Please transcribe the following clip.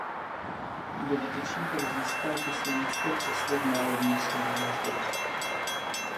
Dodatečně pak získal poslanecké křeslo v Národním shromáždění.